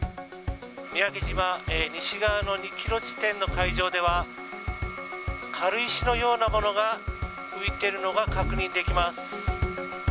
三宅島西側の２キロ地点の海上では、軽石のようなものが浮いているのが確認できます。